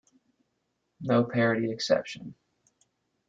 No parody exception.